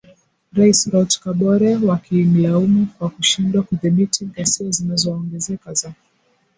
Rais Roch Kabore wakimlaumu kwa kushindwa kudhibiti ghasia zinazoongezeka za